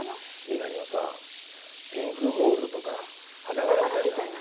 リナにはさピンクゴールドとか花柄みたいな。